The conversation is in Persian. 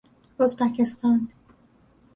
ازبکستان